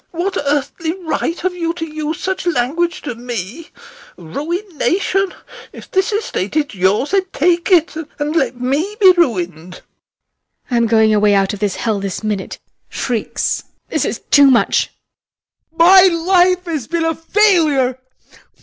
What earthly right have you to use such language to me? Ruination! If this estate is yours, then take it, and let me be ruined! HELENA. I am going away out of this hell this minute. [Shrieks] This is too much! VOITSKI. My life has been a failure.